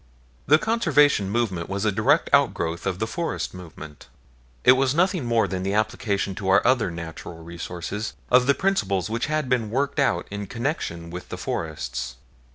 The Conservation movement was a direct outgrowth of the forest movement. It was nothing more than the application to our other natural resources of the principles which had been worked out in connection with the forests.